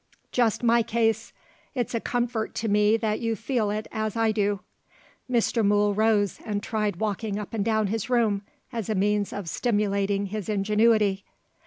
"Just my case! It's a comfort to me that you feel it as I do." Mr. Mool rose and tried walking up and down his room, as a means of stimulating his ingenuity.